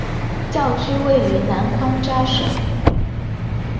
教区位于南宽扎省。